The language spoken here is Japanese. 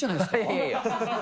いやいや。